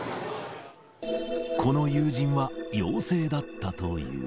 この友人は陽性だったという。